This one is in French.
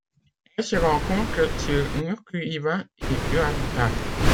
Elle se rencontre sur Nuku Hiva et Ua Huka.